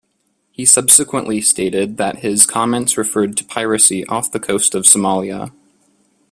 He subsequently stated that his comments referred to piracy off the coast of Somalia.